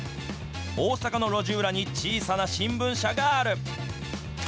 大阪の路地裏に小さな新聞社がある。